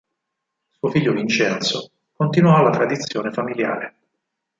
Suo figlio Vincenzo continuò la tradizione familiare.